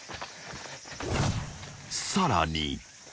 ［さらに］